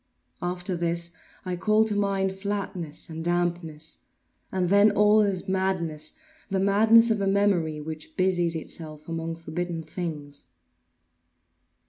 After this I call to mind flatness and dampness; and then all is madness—the madness of a memory which busies itself among forbidden things.